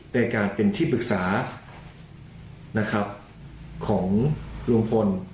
ในการเป็นที่ปรึกษานะครับของลุงพล